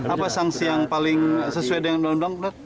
apa sanksi yang paling sesuai dengan donong dong